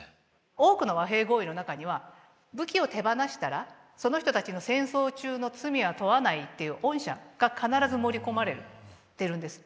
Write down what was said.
多くの和平合意の中には武器を手放したらその人たちの戦争中の罪は問わないっていう恩赦が必ず盛り込まれてるんです。